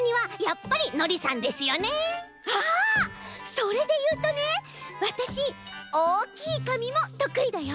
それでいうとねわたしおおきいかみもとくいだよ！